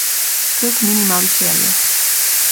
Klik Minimalisearje.